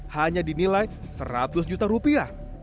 hanya dinilai seratus juta rupiah